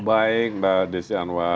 baik mbak desya anwar